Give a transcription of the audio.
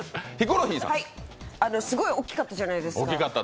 すごい大きかったじゃないですか。